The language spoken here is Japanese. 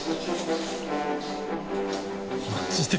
マジで？